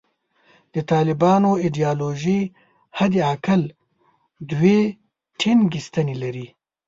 د طالبانو ایدیالوژي حد اقل دوې ټینګې ستنې لري.